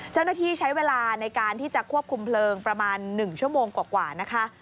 เจ้าหน้าที่ใช้เวลาในการที่จะควบคุมเพลิงประมาณ๑ชั่วโมงกว่านะคะ